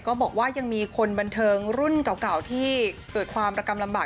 บอกว่ายังมีคนบันเทิงรุ่นเก่าที่เกิดความระกรรมลำบาก